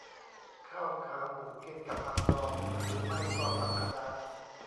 ข้าวขาหมูกินกับผักดองหรือไม่ก็ผักคะน้า